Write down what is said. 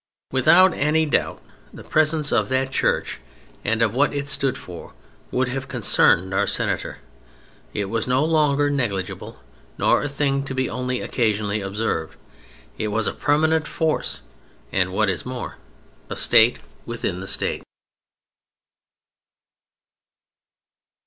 Without any doubt the presence of that Church and of what it stood for would have concerned our Senator. It was no longer negligible nor a thing to be only occasionally observed. It was a permanent force and, what is more, a State within the State.